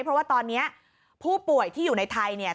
เพราะว่าตอนนี้ผู้ป่วยที่อยู่ในไทยเนี่ย